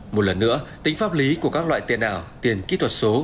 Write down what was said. một lần nữa tính pháp lý của các loại tiền ảo tiền kỹ thuật số